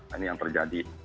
ini yang terjadi